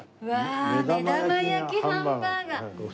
目玉焼きハンバーガー。